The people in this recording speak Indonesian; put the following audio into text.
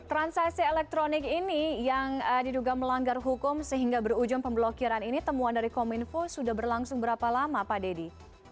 transaksi elektronik ini yang diduga melanggar hukum sehingga berujung pemblokiran ini temuan dari kominfo sudah berlangsung berapa lama pak dedy